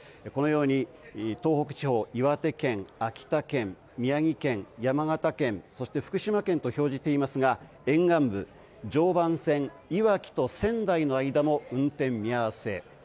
このように東北地方岩手県、秋田県、宮城県、山形県福島県と表示していますが沿岸部、常磐線いわきと仙台の間も運転見合わせ。